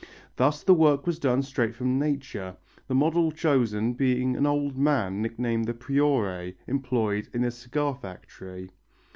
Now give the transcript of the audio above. Thus the work was done straight from nature, the model chosen being an old man nicknamed the Priore, employed in a cigar factory.